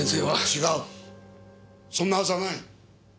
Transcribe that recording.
そんなはずはない！